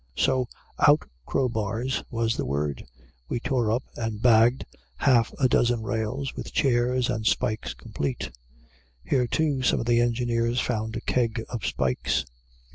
So "Out crowbars!" was the word. We tore up and bagged half a dozen rails, with chairs and spikes complete. Here too, some of the engineers found a keg of spikes.